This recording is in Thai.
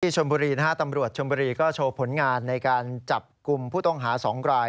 ชมบุรีนะฮะตำรวจชมบุรีก็โชว์ผลงานในการจับกลุ่มผู้ต้องหา๒ราย